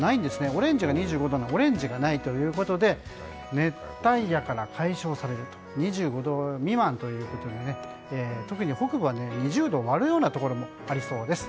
オレンジが２５度以上なんですがオレンジがないということで熱帯夜から解消されて２５度未満ということで特に北部は２０度を割るところもありそうです。